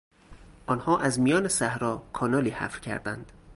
آنها از میان صحرا کانالی حفر کردند.